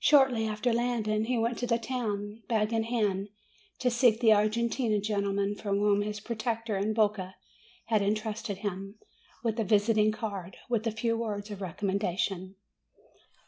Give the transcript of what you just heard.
Shortly after landing, he went to the town, bag in hand, to seek the Argentine gentleman for whom his protector in Boca had intrusted him with a visiting card, with a few words of recommendation.